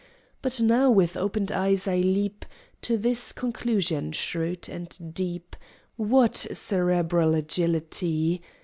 But now, with opened eyes, I leap To this conclusion, shrewd and deep, (What cerebral agility!)